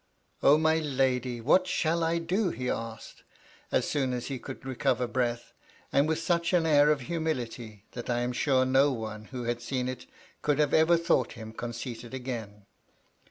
" O, my lady, what shall I do ?'* he asked, as soon as he could recover breath, and with such an air of 234 MY LADY LUDLOW. humility that I am sure no one who had seen it could have ever thought him conceited again.